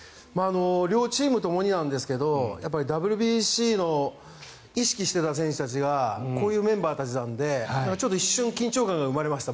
両チームともにですがＷＢＣの意識していた選手たちがこういうメンバーたちなので一瞬緊張感が生まれました